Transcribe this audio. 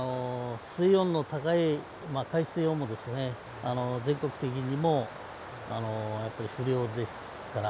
水温の高い、海水温も全国的にもやっぱり不漁ですから。